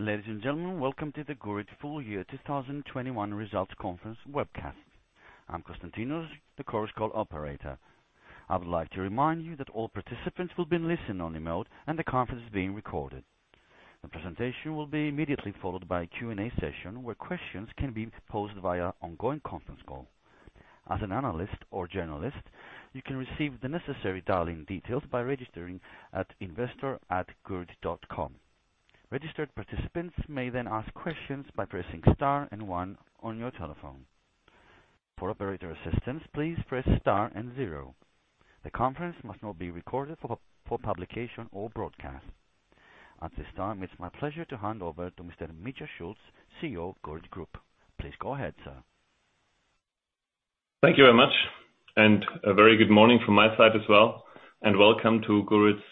Ladies and gentlemen, welcome to the Gurit full year 2021 results conference webcast. I'm Constantinos, the Chorus Call operator. I would like to remind you that all participants will be in listen-only mode and the conference is being recorded. The presentation will be immediately followed by a Q&A session, where questions can be posed via ongoing conference call. As an analyst or journalist, you can receive the necessary dial-in details by registering at investor@gurit.com. Registered participants may then ask questions by pressing star and one on your telephone. For operator assistance, please press star and zero. The conference must not be recorded for publication or broadcast. At this time, it's my pleasure to hand over to Mr. Mitja Schulz, CEO, Gurit Group. Please go ahead, sir. Thank you very much and a very good morning from my side as well, and welcome to Gurit's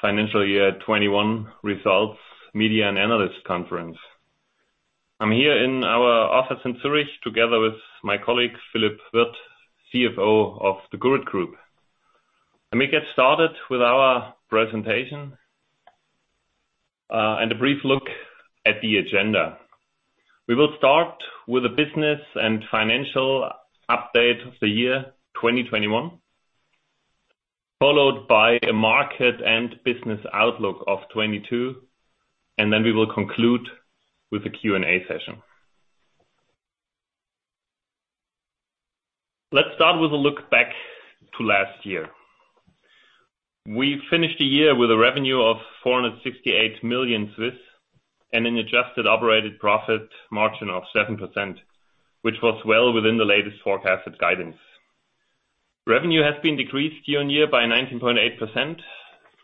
Financial Year 2021 Results Media and Analyst Conference. I'm here in our office in Zurich, together with my colleague, Philippe Wirth, CFO of the Gurit Group. Let me get started with our presentation, and a brief look at the agenda. We will start with a business and financial update of the year 2021, followed by a market and business outlook of 2022, and then we will conclude with a Q&A session. Let's start with a look back to last year. We finished the year with a revenue of 468 million, and an adjusted operating profit margin of 7%, which was well within the latest forecasted guidance. Revenue has been decreased year-on-year by 19.8%,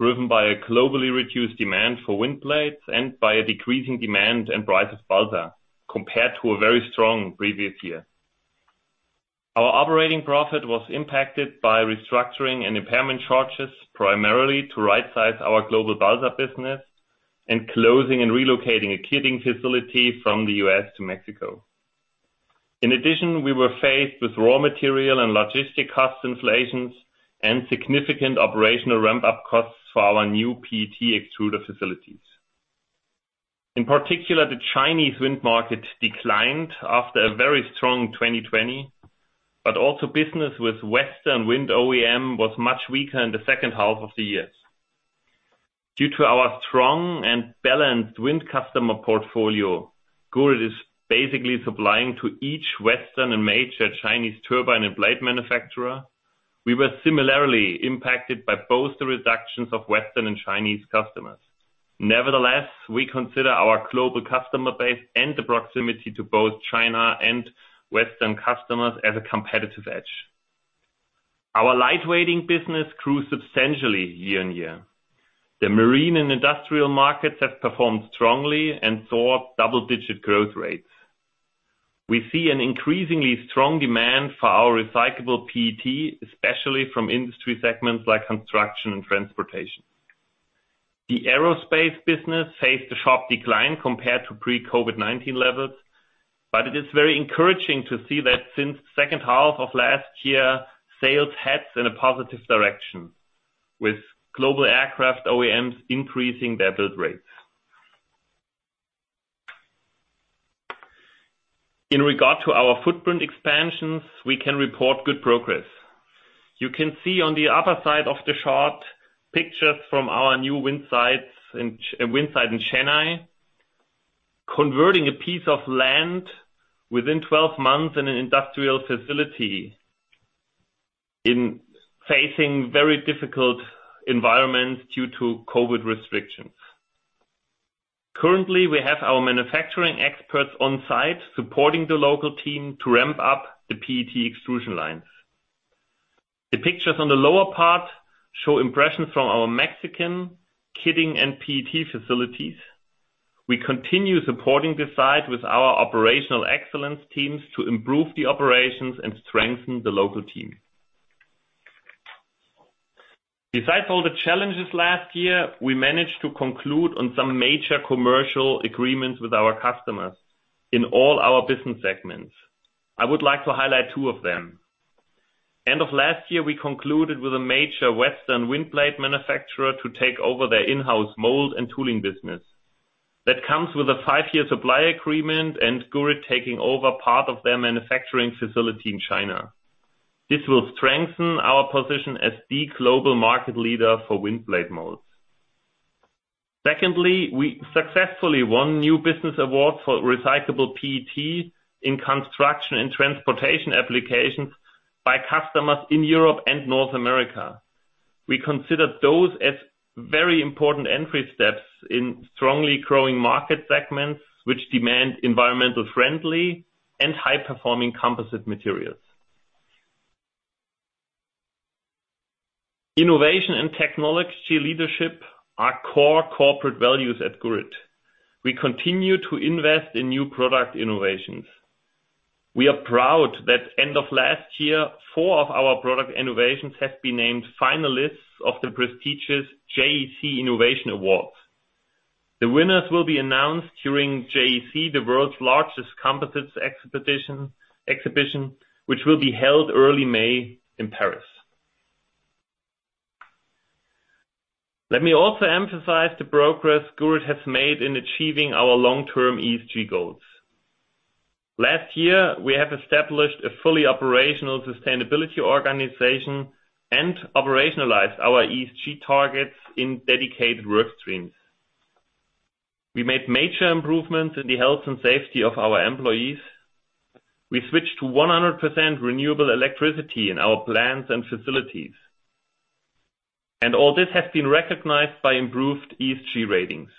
driven by a globally reduced demand for wind blades and by a decreasing demand and price of balsa, compared to a very strong previous year. Our operating profit was impacted by restructuring and impairment charges, primarily to rightsize our global balsa business and closing and relocating a kitting facility from the U.S. to Mexico. In addition, we were faced with raw material and logistic cost inflations and significant operational ramp-up costs for our new PET extruder facilities. In particular, the Chinese wind market declined after a very strong 2020, but also business with Western Wind OEM was much weaker in the second half of the year. Due to our strong and balanced wind customer portfolio, Gurit is basically supplying to each Western and major Chinese turbine and blade manufacturer. We were similarly impacted by both the reductions of Western and Chinese customers. Nevertheless, we consider our global customer base and the proximity to both China and Western customers as a competitive edge. Our lightweighting business grew substantially year-on-year. The marine and industrial markets have performed strongly and saw double-digit growth rates. We see an increasingly strong demand for our recyclable PET, especially from industry segments like construction and transportation. The aerospace business faced a sharp decline compared to pre-COVID-19 levels, but it is very encouraging to see that since the second half of last year, sales heads in a positive direction with global aircraft OEMs increasing their build rates. In regard to our footprint expansions, we can report good progress. You can see on the upper side of the chart pictures from our new wind site in Chennai, converting a piece of land within 12 months into an industrial facility, facing very difficult environments due to COVID restrictions. Currently, we have our manufacturing experts on site supporting the local team to ramp up the PET extrusion lines. The pictures on the lower part show impressions from our Mexican kitting and PET facilities. We continue supporting this site with our operational excellence teams to improve the operations and strengthen the local team. Besides all the challenges last year, we managed to conclude on some major commercial agreements with our customers in all our business segments. I would like to highlight two of them. End of last year, we concluded with a major Western wind blade manufacturer to take over their in-house mold and tooling business. That comes with a five-year supply agreement and Gurit taking over part of their manufacturing facility in China. This will strengthen our position as the global market leader for wind blade molds. Secondly, we successfully won new business awards for recyclable PET in construction and transportation applications by customers in Europe and North America. We consider those as very important entry steps in strongly growing market segments, which demand environmentally friendly and high-performing composite materials. Innovation and technology leadership are core corporate values at Gurit. We continue to invest in new product innovations. We are proud that end of last year, four of our product innovations have been named finalists of the prestigious JEC Innovation Awards. The winners will be announced during JEC, the world's largest composites exhibition, which will be held early May in Paris. Let me also emphasize the progress Gurit has made in achieving our long-term ESG goals. Last year, we have established a fully operational sustainability organization and operationalized our ESG targets in dedicated work streams. We made major improvements in the health and safety of our employees. We switched to 100% renewable electricity in our plants and facilities. All this has been recognized by improved ESG ratings.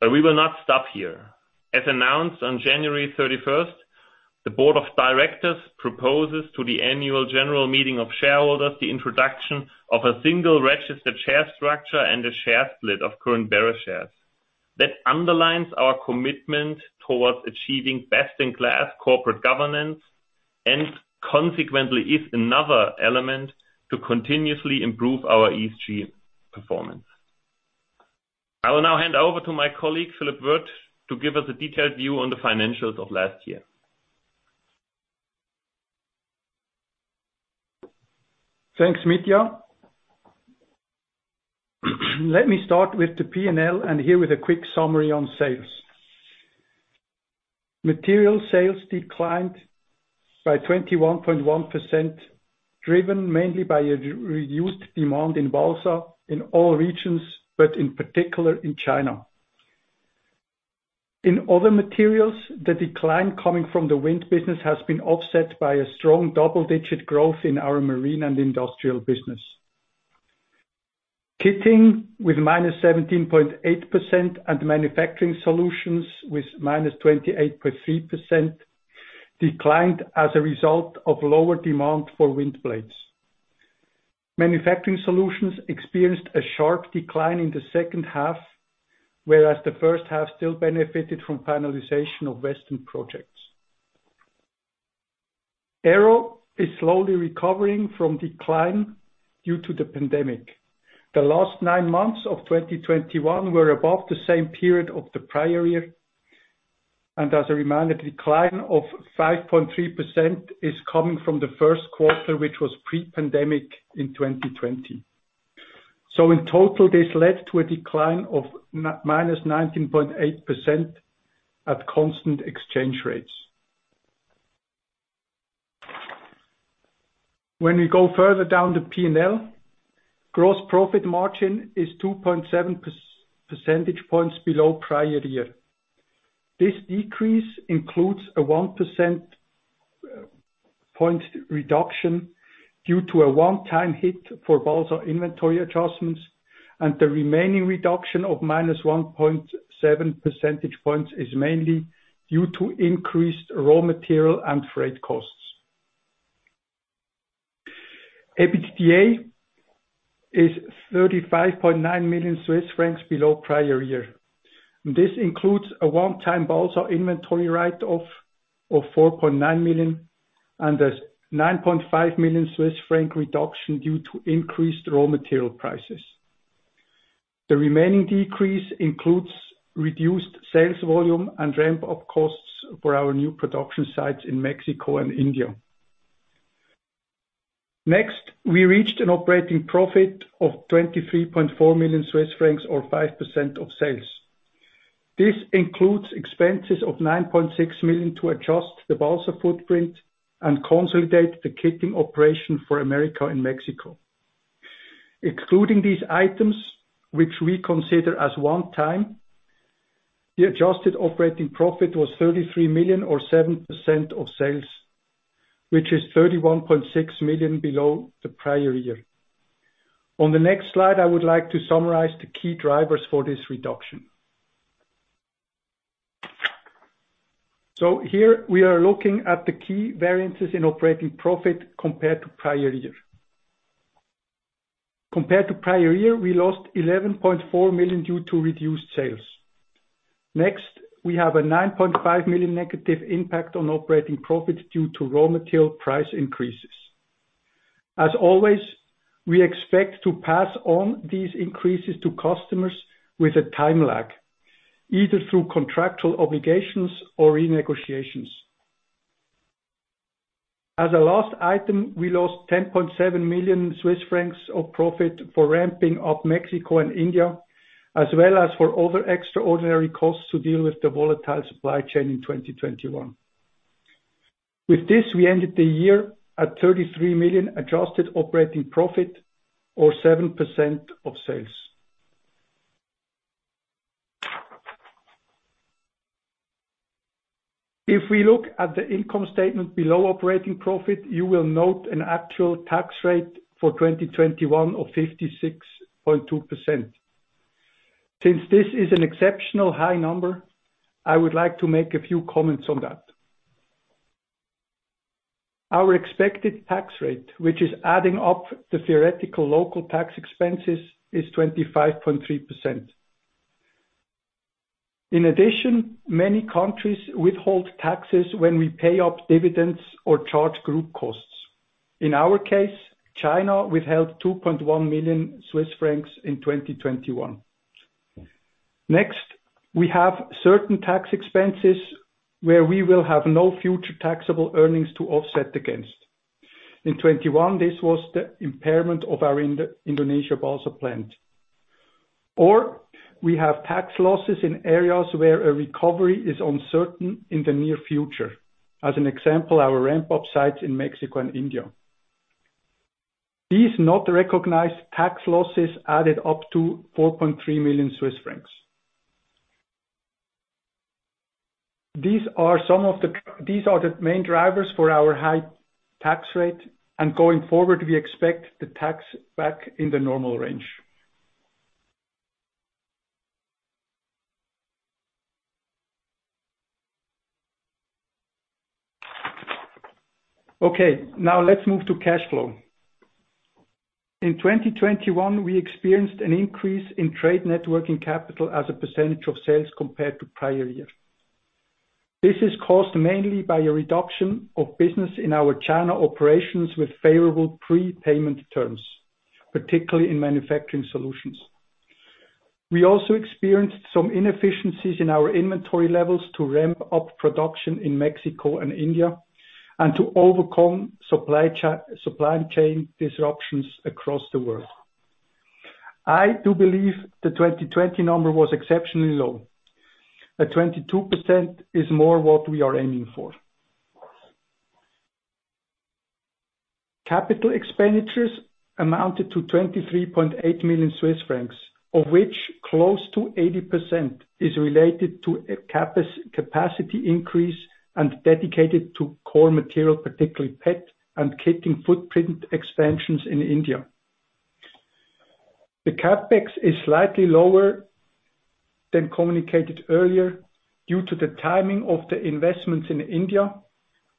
We will not stop here. As announced on January, the board of directors proposes to the annual general meeting of shareholders the introduction of a single registered share structure and a share split of current bearer shares. That underlines our commitment towards achieving best in class corporate governance and consequently is another element to continuously improve our ESG performance. I will now hand over to my colleague, Philippe Wirth, to give us a detailed view on the financials of last year. Thanks, Mitja. Let me start with the P&L and here with a quick summary on sales. Materials sales declined by 21.1%, driven mainly by a reduced demand in balsa in all regions, but in particular in China. In other materials, the decline coming from the wind business has been offset by a strong double-digit growth in our marine and industrial business. Kitting with -17.8% and Manufacturing Solutions with -28.3% declined as a result of lower demand for wind blades. Manufacturing Solutions experienced a sharp decline in the second half, whereas the first half still benefited from finalization of western projects. Aero is slowly recovering from decline due to the pandemic. The last nine months of 2021 were above the same period of the prior year, and as a reminder, decline of 5.3% is coming from the first quarter, which was pre-pandemic in 2020. In total, this led to a decline of -19.8% at constant exchange rates. When we go further down the P&L, gross profit margin is 2.7 percentage points below prior year. This decrease includes a 1 percentage point reduction due to a one-time hit for balsa inventory adjustments, and the remaining reduction of -1.7 percentage points is mainly due to increased raw material and freight costs. EBITDA is 35.9 million Swiss francs below prior year. This includes a one-time balsa inventory write off of 4.9 million and a 9.5 million Swiss franc reduction due to increased raw material prices. The remaining decrease includes reduced sales volume and ramp-up costs for our new production sites in Mexico and India. Next, we reached an operating profit of 23.4 million Swiss francs or 5% of sales. This includes expenses of 9.6 million to adjust the balsa footprint and consolidate the kitting operation for America and Mexico. Excluding these items, which we consider as one time, the adjusted operating profit was 33 million or 7% of sales, which is 31.6 million below the prior year. On the next slide, I would like to summarize the key drivers for this reduction. Here we are looking at the key variances in operating profit compared to prior year. Compared to prior year, we lost 11.4 million due to reduced sales. Next, we have a 9.5 million negative impact on operating profit due to raw material price increases. As always, we expect to pass on these increases to customers with a time lag, either through contractual obligations or renegotiations. As a last item, we lost 10.7 million Swiss francs of profit for ramping up Mexico and India, as well as for other extraordinary costs to deal with the volatile supply chain in 2021. With this, we ended the year at 33 million adjusted operating profit or 7% of sales. If we look at the income statement below operating profit, you will note an actual tax rate for 2021 of 56.2%. Since this is an exceptionally high number, I would like to make a few comments on that. Our expected tax rate, which is adding up the theoretical local tax expenses, is 25.3%. In addition, many countries withhold taxes when we pay out dividends or charge group costs. In our case, China withheld 2.1 million Swiss francs in 2021. Next, we have certain tax expenses where we will have no future taxable earnings to offset against. In 2021, this was the impairment of our Indonesia balsa plant. Or we have tax losses in areas where a recovery is uncertain in the near future. As an example, our ramp up sites in Mexico and India. These not recognized tax losses added up to 4.3 million Swiss francs. These are the main drivers for our high tax rate, and going forward, we expect the tax rate back in the normal range. Okay. Now let's move to cash flow. In 2021, we experienced an increase in net working capital as a percentage of sales compared to prior years. This is caused mainly by a reduction of business in our China operations with favorable prepayment terms, particularly in Manufacturing Solutions. We also experienced some inefficiencies in our inventory levels to ramp up production in Mexico and India, and to overcome supply chain disruptions across the world. I do believe the 2020 number was exceptionally low, but 22% is more what we are aiming for. Capital expenditures amounted to 23.8 million Swiss francs, of which close to 80% is related to a capacity increase and dedicated to core material, particularly PET and kitting footprint expansions in India. The CapEx is slightly lower than communicated earlier due to the timing of the investments in India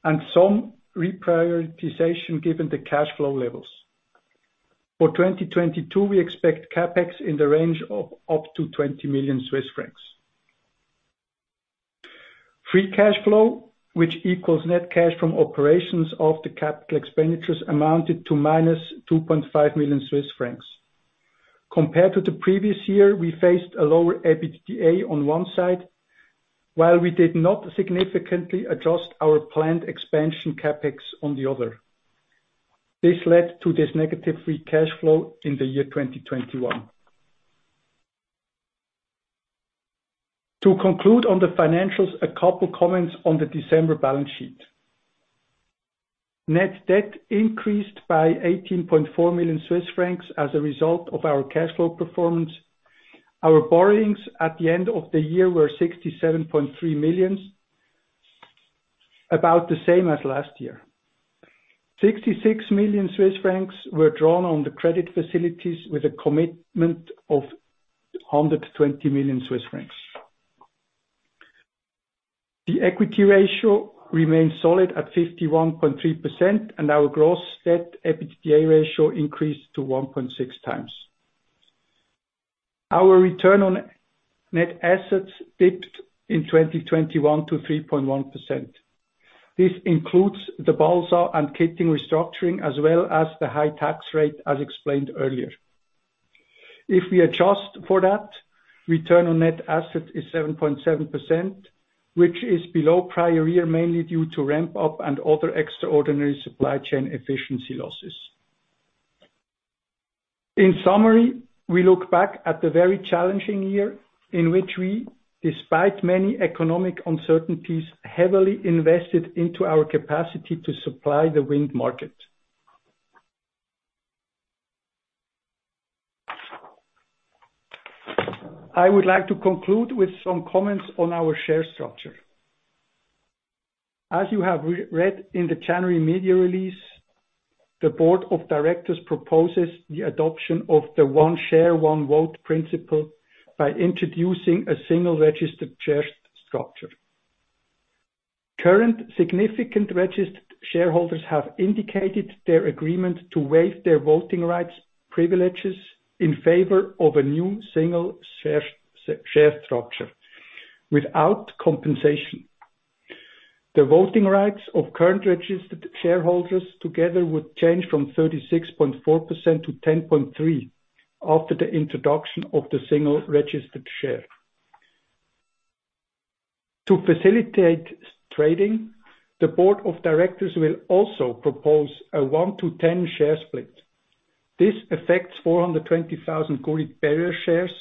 and some reprioritization given the cash flow levels. For 2022, we expect CapEx in the range of up to 20 million Swiss francs. Free cash flow, which equals net cash from operations less the capital expenditures, amounted to -2.5 million Swiss francs. Compared to the previous year, we faced a lower EBITDA on one side, while we did not significantly adjust our planned expansion CapEx on the other. This led to this negative free cash flow in the year 2021. To conclude on the financials, a couple of comments on the December balance sheet. Net debt increased by 18.4 million Swiss francs as a result of our cash flow performance. Our borrowings at the end of the year were 67.3 million, about the same as last year. 66 million Swiss francs were drawn on the credit facilities with a commitment of 120 million Swiss francs. The equity ratio remains solid at 51.3%, and our gross debt EBITDA ratio increased to 1.6x. Our return on net assets dipped in 2021 to 3.1%. This includes the balsa and kitting restructuring, as well as the high tax rate, as explained earlier. If we adjust for that, return on net asset is 7.7%, which is below prior year, mainly due to ramp-up and other extraordinary supply chain efficiency losses. In summary, we look back at the very challenging year in which we, despite many economic uncertainties, heavily invested into our capacity to supply the wind market. I would like to conclude with some comments on our share structure. As you have re-read in the January media release, the board of directors proposes the adoption of the one share, one vote principle by introducing a single registered share structure. Current significant registered shareholders have indicated their agreement to waive their voting rights privileges in favor of a new single share, s-share structure without compensation. The voting rights of current registered shareholders together would change from 36.4%-10.3% after the introduction of the single registered share. To facilitate trading, the board of directors will also propose a 1-to-10 share split. This affects 420,000 Gurit bearer shares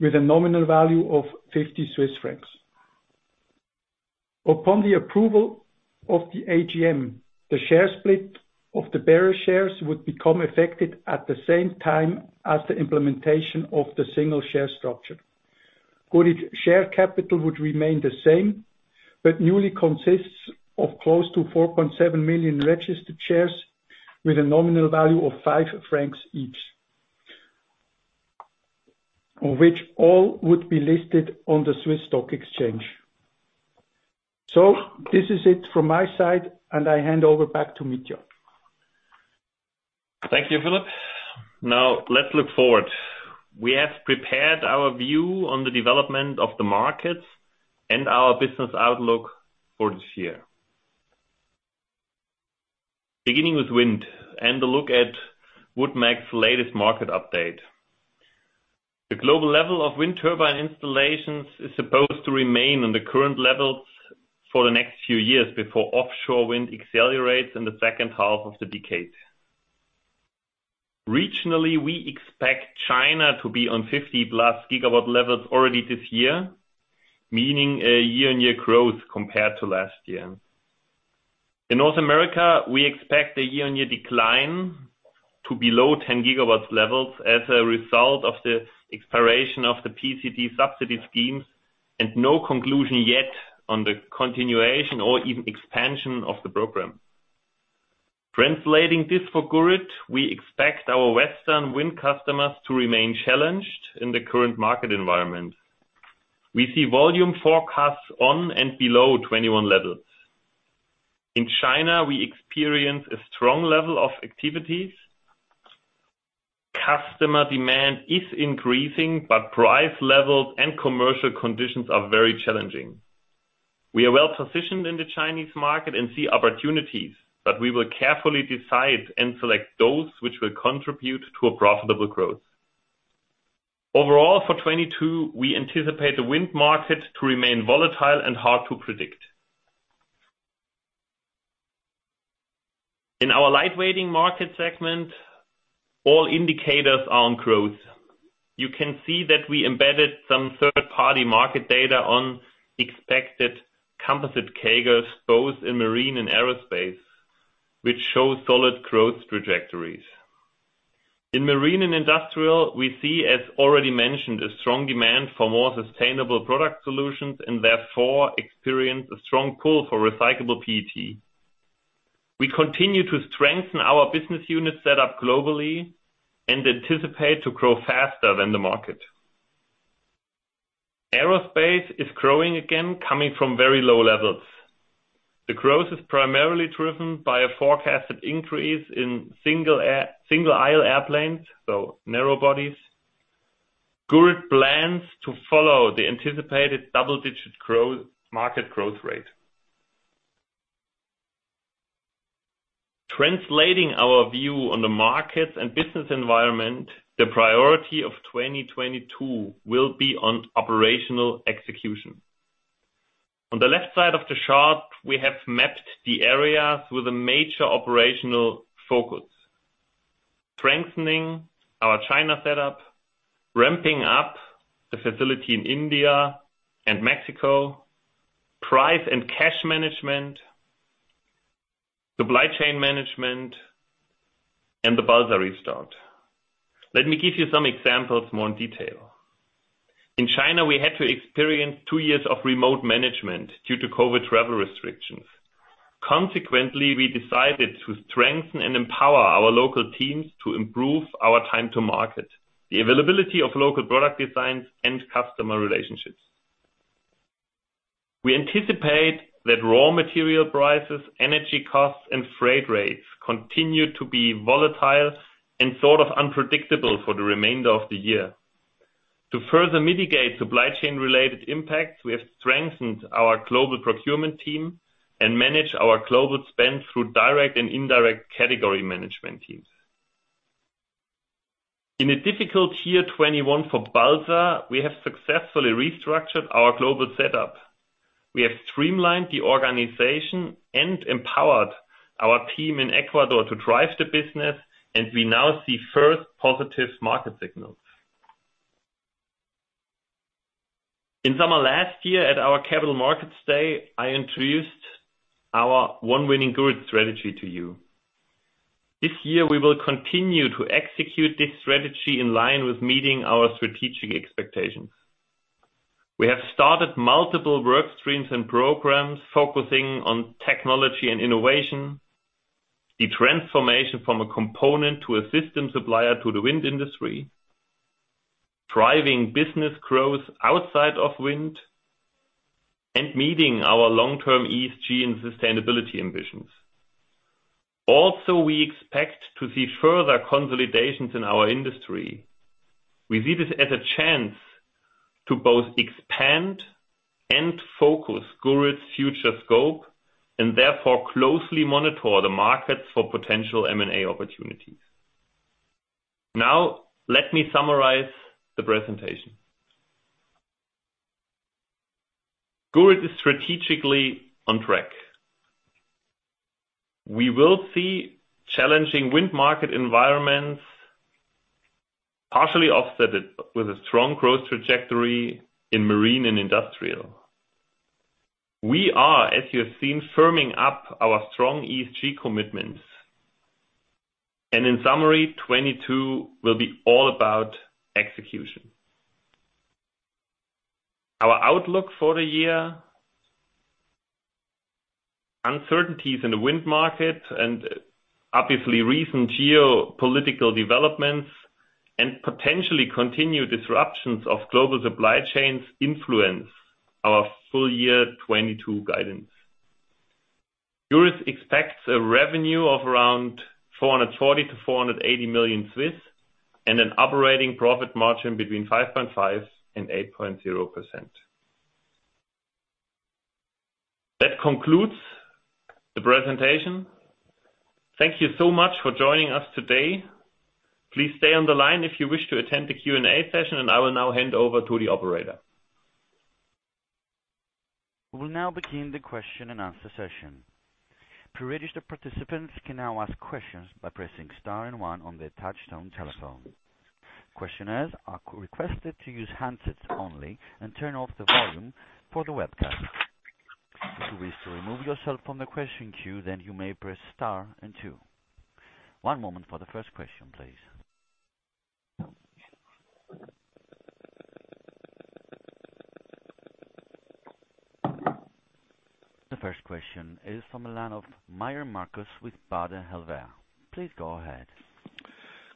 with a nominal value of 50 Swiss francs. Upon the approval of the AGM, the share split of the bearer shares would become effective at the same time as the implementation of the single share structure. Gurit share capital would remain the same, but newly consists of close to 4.7 million registered shares with a nominal value of 5 francs each, of which all would be listed on the SIX Swiss Exchange. This is it from my side, and I hand over back to Mitja. Thank you, Philippe. Now let's look forward. We have prepared our view on the development of the markets and our business outlook for this year. Beginning with wind and a look at WoodMac's latest market update. The global level of wind turbine installations is supposed to remain on the current levels for the next few years before offshore wind accelerates in the second half of the decade. Regionally, we expect China to be on 50+ GW levels already this year, meaning a year-on-year growth compared to last year. In North America, we expect a year-on-year decline to below 10 GW levels as a result of the expiration of the PTC subsidy schemes, and no conclusion yet on the continuation or even expansion of the program. Translating this for Gurit, we expect our Western wind customers to remain challenged in the current market environment. We see volume forecasts on and below 2021 levels. In China, we experience a strong level of activities. Customer demand is increasing, but price levels and commercial conditions are very challenging. We are well positioned in the Chinese market and see opportunities, but we will carefully decide and select those which will contribute to a profitable growth. Overall, for 2022, we anticipate the wind market to remain volatile and hard to predict. In our lightweighting market segment, all indicators are on growth. You can see that we embedded some third-party market data on expected composite CAGRs, both in marine and aerospace, which show solid growth trajectories. In marine and industrial, we see, as already mentioned, a strong demand for more sustainable product solutions and therefore experience a strong pull for recyclable PET. We continue to strengthen our business unit set up globally and anticipate to grow faster than the market. Aerospace is growing again, coming from very low levels. The growth is primarily driven by a forecasted increase in single aisle airplanes, so narrow bodies. Gurit plans to follow the anticipated double-digit market growth rate. Translating our view on the markets and business environment, the priority of 2022 will be on operational execution. On the left side of the chart, we have mapped the areas with a major operational focus. Strengthening our China setup, ramping up the facility in India and Mexico, price and cash management, supply chain management, and the balsa restart. Let me give you some examples more in detail. In China, we had to experience two years of remote management due to COVID travel restrictions. Consequently, we decided to strengthen and empower our local teams to improve our time to market, the availability of local product designs, and customer relationships. We anticipate that raw material prices, energy costs, and freight rates continue to be volatile and sort of unpredictable for the remainder of the year. To further mitigate supply chain related impacts, we have strengthened our global procurement team and manage our global spend through direct and indirect category management teams. In a difficult year 2021 for balsa, we have successfully restructured our global setup. We have streamlined the organization and empowered our team in Ecuador to drive the business, and we now see first positive market signals. In summer last year at our Capital Markets Day, I introduced our One Winning Gurit strategy to you. This year we will continue to execute this strategy in line with meeting our strategic expectations. We have started multiple work streams and programs focusing on technology and innovation, the transformation from a component to a system supplier to the wind industry, driving business growth outside of wind, and meeting our long-term ESG and sustainability ambitions. Also, we expect to see further consolidations in our industry. We see this as a chance to both expand and focus Gurit's future scope and therefore closely monitor the markets for potential M&A opportunities. Now let me summarize the presentation. Gurit is strategically on track. We will see challenging wind market environments partially offset it with a strong growth trajectory in marine and industrial. We are, as you have seen, firming up our strong ESG commitments, and in summary, 2022 will be all about execution. Our outlook for the year, uncertainties in the wind market, and obviously recent geopolitical developments and potentially continued disruptions of global supply chains influence our full year 2022 guidance. Gurit expects a revenue of around 440 million-480 million and an operating profit margin between 5.5% and 8.0%. That concludes the presentation. Thank you so much for joining us today. Please stay on the line if you wish to attend the Q&A session, and I will now hand over to the operator. We will now begin the Q&A session. Preregistered participants can now ask questions by pressing star and one on their touchtone telephone. Questioners are requested to use handsets only and turn off the volume for the webcast. If you wish to remove yourself from the question queue, then you may press star and two. One moment for the first question, please. The first question is from the line of Markus Meyer with Baader Helvea. Please go ahead.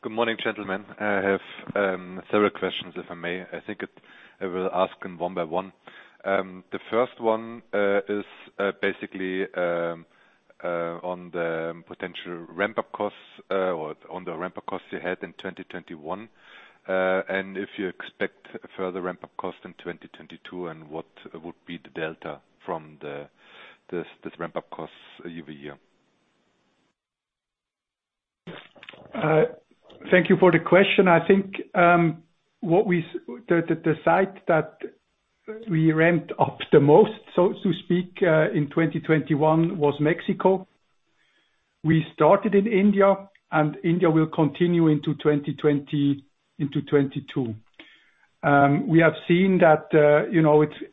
Good morning, gentlemen. I have several questions, if I may. I will ask them one by one. The first one is basically on the potential ramp-up costs, or on the ramp-up costs you had in 2021. If you expect further ramp-up costs in 2022, and what would be the delta from these ramp-up costs year-over-year? Thank you for the question. I think, the site that we ramped up the most, so to speak, in 2021 was Mexico. We started in India, and India will continue into 2020, into 2022. We have seen that, you know, it is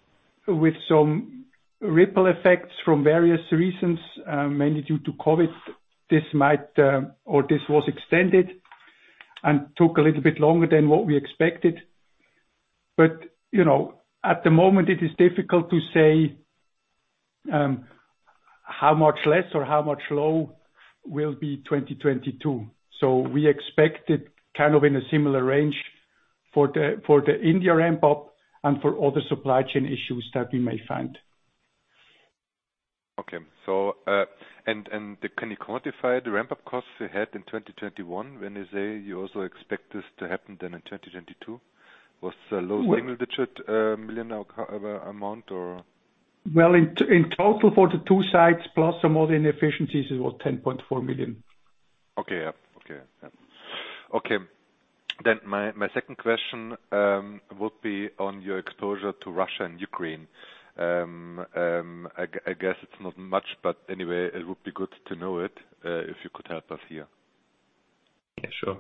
with some ripple effects from various reasons, mainly due to COVID, this was extended and took a little bit longer than what we expected. But, you know, at the moment, it is difficult to say, how much less or how much lower will be 2022. We expect it kind of in a similar range for the India ramp-up and for other supply chain issues that we may find. Can you quantify the ramp-up costs you had in 2021 when you say you also expect this to happen then in 2022? Was it a low single-digit million CHF or whatever amount? Well, in total for the two sites, plus some other inefficiencies, it was 10.4 million. Okay. Yeah. Okay. Yeah. Okay. My second question would be on your exposure to Russia and Ukraine. I guess it's not much, but anyway, it would be good to know it, if you could help us here. Yeah, sure.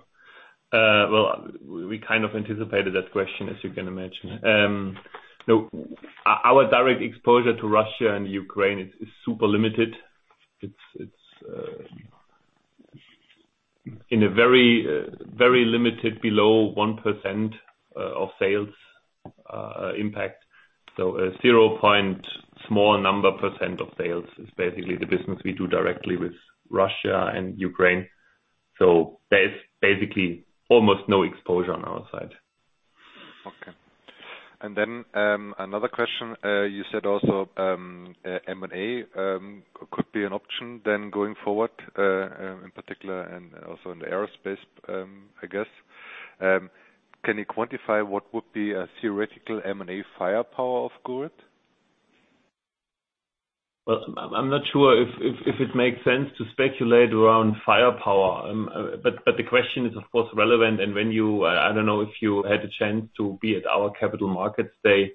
Well, we kind of anticipated that question, as you can imagine. No, our direct exposure to Russia and Ukraine is in a very very limited below 1% of sales impact. A zero point small number % of sales is basically the business we do directly with Russia and Ukraine. There's basically almost no exposure on our side. Okay. Another question. You said also M&A could be an option then going forward in particular and also in the aerospace, I guess. Can you quantify what would be a theoretical M&A firepower of Gurit? Well, I'm not sure if it makes sense to speculate around firepower. But the question is, of course, relevant. When you, I don't know if you had the chance to be at our Capital Markets Day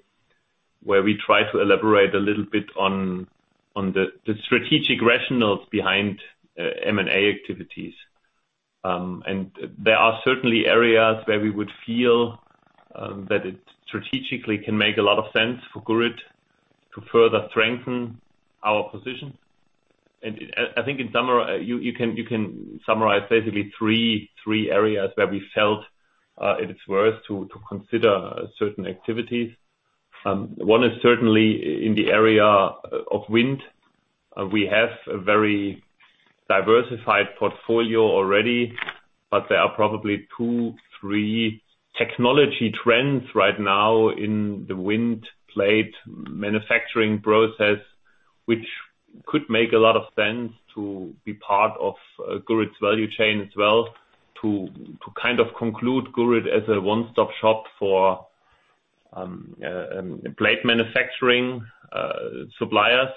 where we try to elaborate a little bit on the strategic rationales behind M&A activities. There are certainly areas where we would feel that it strategically can make a lot of sense for Gurit to further strengthen our position. I think you can summarize basically three areas where we felt it is worth to consider certain activities. One is certainly in the area of wind. We have a very diversified portfolio already, but there are probably two, three technology trends right now in the wind blade manufacturing process, which could make a lot of sense to be part of Gurit's value chain as well, to kind of conclude Gurit as a one-stop shop for blade manufacturing suppliers.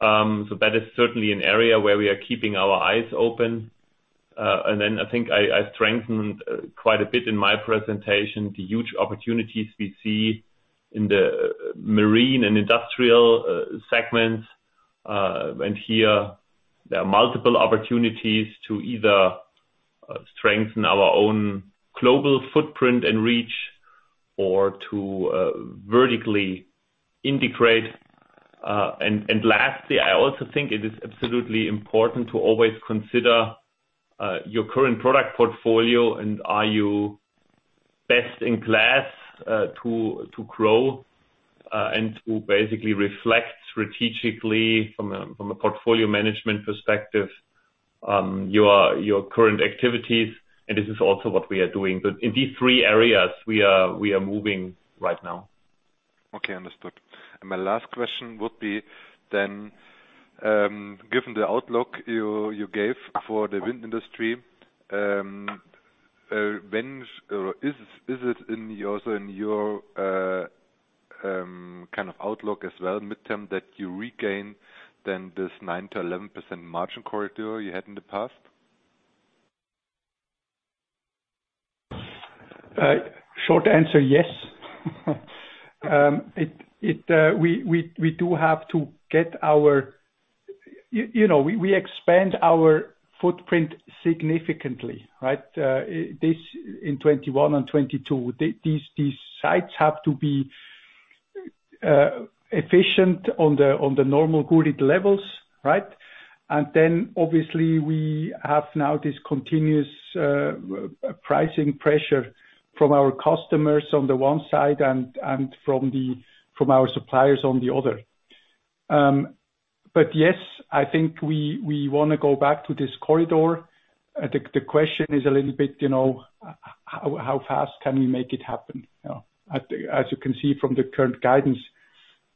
That is certainly an area where we are keeping our eyes open. I think I strengthened quite a bit in my presentation the huge opportunities we see in the marine and industrial segments. Here there are multiple opportunities to either strengthen our own global footprint and reach or to vertically integrate. Lastly, I also think it is absolutely important to always consider your current product portfolio and are you best in class to grow and to basically reflect strategically from a portfolio management perspective your current activities. This is also what we are doing. In these three areas we are moving right now. Okay, understood. My last question would be then, given the outlook you gave for the wind industry, When is it in your kind of outlook as well midterm that you regain then this 9%-11% margin corridor you had in the past? Short answer, yes. You know, we expand our footprint significantly, right? This in 2021 and 2022. These sites have to be efficient on the normal good levels, right? Then obviously we have now this continuous pricing pressure from our customers on the one side and from our suppliers on the other. Yes, I think we wanna go back to this corridor. The question is a little bit, you know, how fast can we make it happen, you know. As you can see from the current guidance,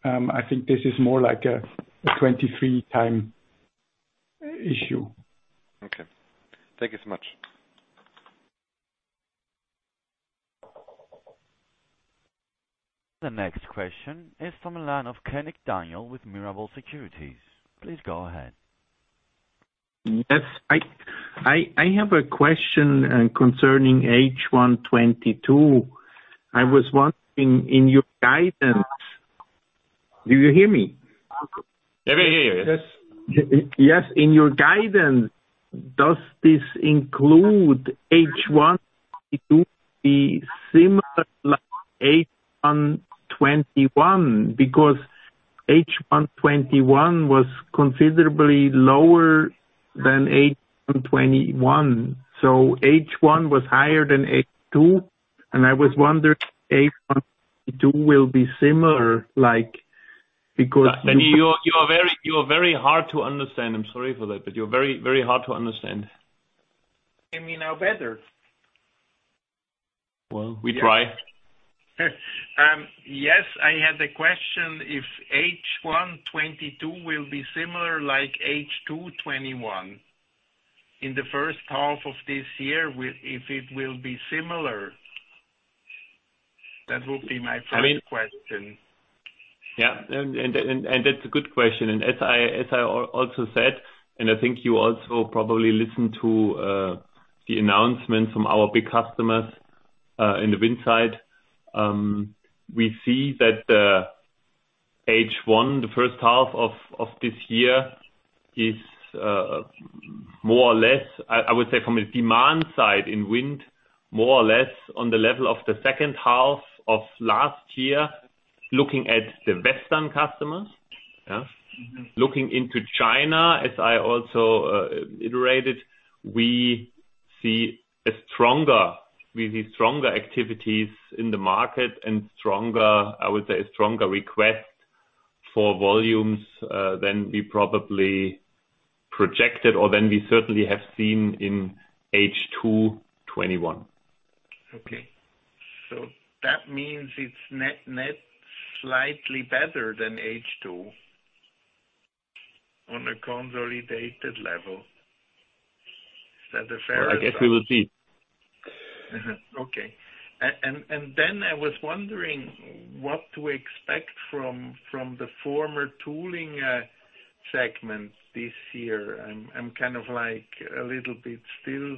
I think this is more like a 2023 time issue. Okay. Thank you so much. The next question is from the line of Daniel Koenig with Mirabaud Securities. Please go ahead. Yes. I have a question concerning H1 2022. I was wondering in your guidance. Do you hear me? Yeah, we hear you. Yes. Yes. In your guidance, does this include H1 2022 be similar like H1 2021? Because H2 2021 was considerably lower than H1 2021. H1 was higher than H2, and I was wondering if H1 2022 will be similar, like, because- You are very hard to understand. I'm sorry for that, but you're very, very hard to understand. Can you hear me now better? Well, we try. Yes. I had a question if H1 2022 will be similar like H2 2021. In the first half of this year, if it will be similar. That would be my first question. That's a good question. As I also said, I think you also probably listened to the announcements from our big customers in the wind side. We see that H1, the first half of this year is more or less, I would say from a demand side in wind, more or less on the level of the second half of last year, looking at the Western customers. Mm-hmm. Looking into China, as I also iterated, we see stronger activities in the market and, I would say, stronger request for volumes than we probably projected or than we certainly have seen in H2 2021. Okay. That means it's net slightly better than H2 on a consolidated level. Is that a fair- I guess we will see. Okay. I was wondering what to expect from the former tooling segment this year. I'm kind of like a little bit still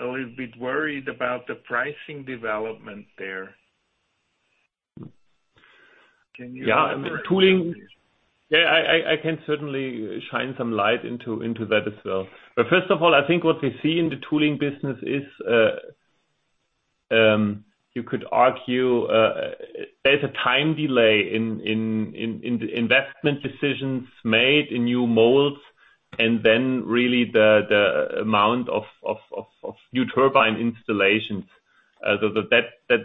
a little bit worried about the pricing development there. Can you- Yeah. Tooling. Yeah, I can certainly shine some light into that as well. First of all, I think what we see in the tooling business is, you could argue, there's a time delay in the investment decisions made in new molds, and then really the amount of new turbine installations. That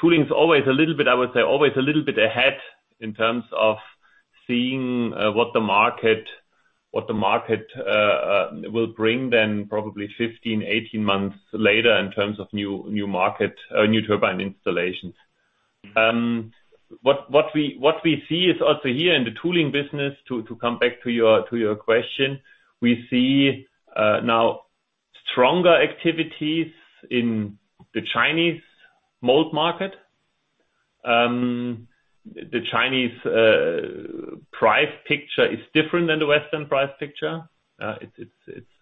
tooling is always a little bit, I would say, always a little bit ahead in terms of seeing what the market will bring then probably 15, 18 months later in terms of new market or new turbine installations. What we see is also here in the tooling business, to come back to your question, we see now stronger activities in the Chinese mold market. The Chinese price picture is different than the Western price picture. It's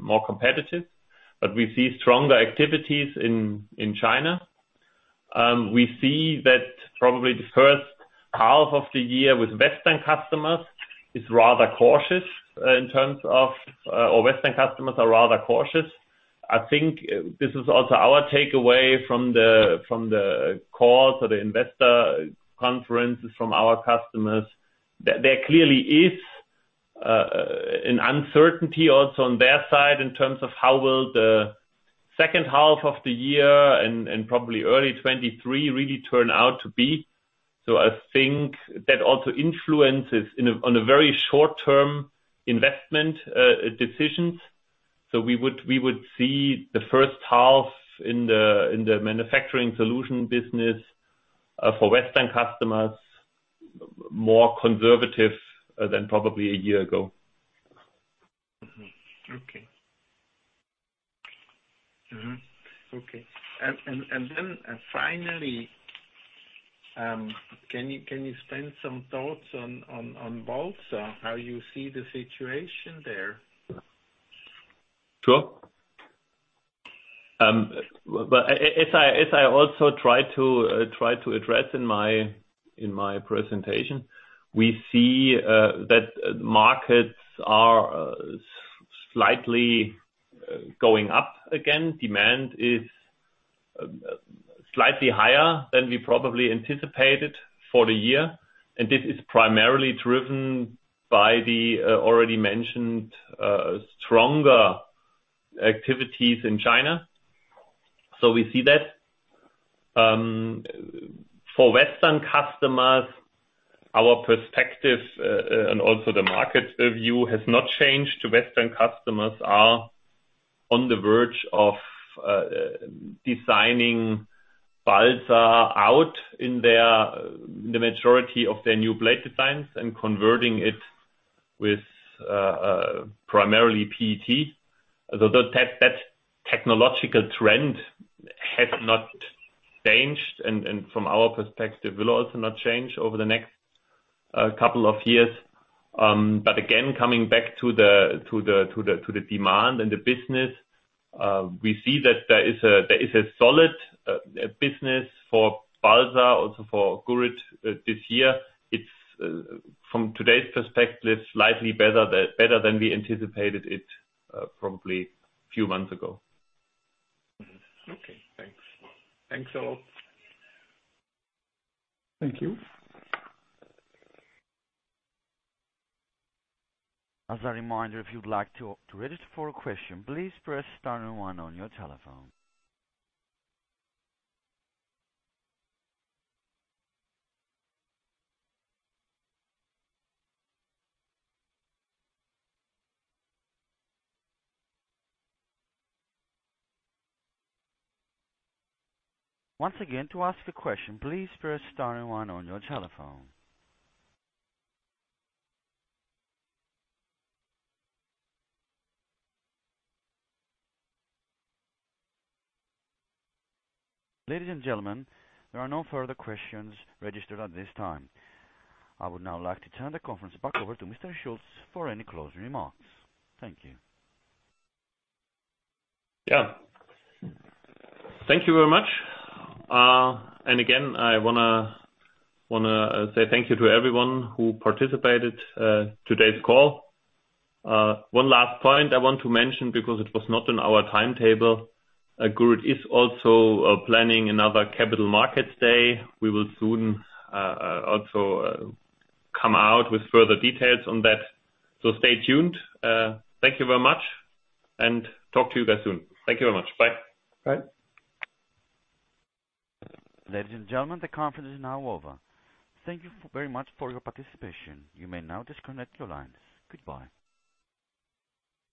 more competitive, but we see stronger activities in China. We see that probably the first half of the year with Western customers is rather cautious in terms of, or Western customers are rather cautious. I think this is also our takeaway from the calls or the investor conferences from our customers. There clearly is an uncertainty also on their side in terms of how will the second half of the year and probably early 2023 really turn out to be. I think that also influences on a very short term investment decisions. We would see the first half in the Manufacturing Solutions business for Western customers more conservative than probably a year ago. Finally, can you spare some thoughts on Balsaflex, how you see the situation there? Sure. As I also try to address in my presentation, we see that markets are slightly going up again. Demand is slightly higher than we probably anticipated for the year, and this is primarily driven by the already mentioned stronger activities in China. We see that. For Western customers, our perspective and also the market view has not changed. The Western customers are on the verge of designing Balsaflex out in the majority of their new blade designs and converting it with primarily PET. That technological trend has not changed and from our perspective, will also not change over the next couple of years. Coming back to the demand and the business, we see that there is a solid business for Balsaflex, also for Gurit, this year. From today's perspective, it's slightly better than we anticipated it, probably few months ago. Okay. Thanks. Thanks a lot. Thank you. As a reminder, if you'd like to register for a question, please press star and one on your telephone. Once again, to ask a question, please press star and one on your telephone. Ladies and gentlemen, there are no further questions registered at this time. I would now like to turn the conference back over to Mr. Schulz for any closing remarks. Thank you. Yeah. Thank you very much. And again, I wanna say thank you to everyone who participated in today's call. One last point I want to mention, because it was not on our timetable. Gurit is also planning another Capital Markets Day. We will soon also come out with further details on that. Stay tuned. Thank you very much and talk to you guys soon. Thank you very much. Bye. Bye. Ladies and gentlemen, the conference is now over. Thank you very much for your participation. You may now disconnect your lines. Goodbye.